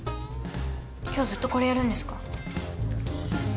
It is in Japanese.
今日ずっとこれやるんですか？